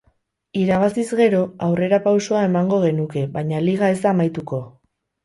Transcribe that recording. Irabaziz gero aurrerapausoa emango genuke, baina liga ez da amaituko.